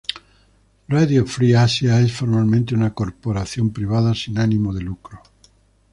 Radio Free Asia es formalmente una corporación privada sin ánimo de lucro.